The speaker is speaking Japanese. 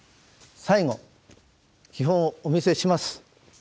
最後基本をお見せします。